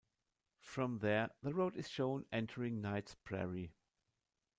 From there, the road is shown entering Knight's Prairie.